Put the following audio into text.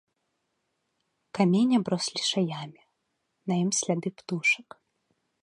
Камень аброс лішаямі, на ім сляды птушак.